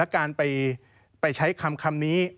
การไปใช้คำนี้